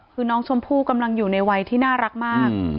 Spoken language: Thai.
คือน้องชมพู่กำลังอยู่ในวัยที่น่ารักมาก